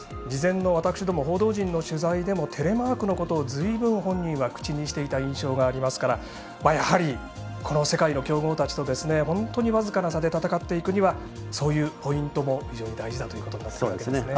事前の私ども報道陣の取材でもテレマークのことをずいぶん本人が口にしていた印象がありますからやはり、この世界の強豪たちと本当に僅かな差で戦っていくにはそういうポイントも非常に大事だということですね。